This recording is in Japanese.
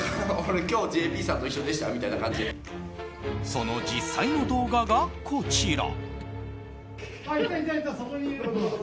その実際の動画がこちら。